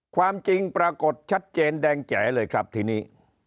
ความจริงปรากฏชัดเจนแดงแจ๋เลยครับทีนี้